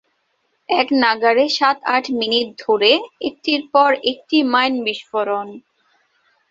একনাগাড়ে সাত-আট মিনিট ধরে একটির পর একটি মাইন বিস্ফোরণ।